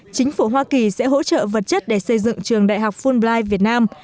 chính phủ hoa kỳ sẽ hỗ trợ vật chất để xây dựng trường đại học fulblife việt nam